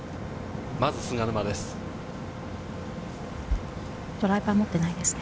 まず菅沼です。